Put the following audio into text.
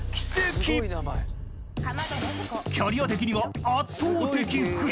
［キャリア的には圧倒的不利］